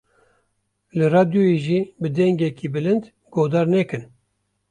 Li radyoyê jî bi dengekî bilind guhdar nekin.